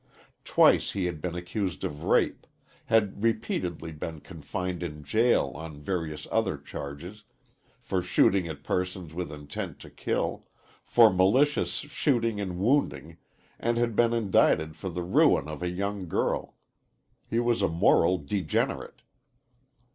Twice he had been accused of rape, had repeatedly been confined in jail on various other charges, for shooting at persons with intent to kill, for malicious shooting and wounding and had been indicted for the ruin of a young girl. He was a moral degenerate.